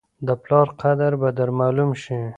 د پلار قدر به در معلوم شي !